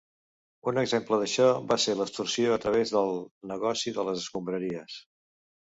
Un exemple d'això va ser l'extorsió a través del negoci de les escombraries.